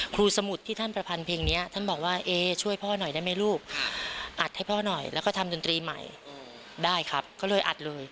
สมุทรที่ท่านประพันธ์เพลงนี้ท่านบอกว่าเอ๊ช่วยพ่อหน่อยได้ไหมลูกอัดให้พ่อหน่อยแล้วก็ทำดนตรีใหม่ได้ครับก็เลยอัดเลย